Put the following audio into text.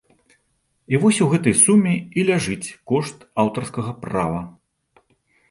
І вось у гэтай суме і ляжыць кошт аўтарскага права.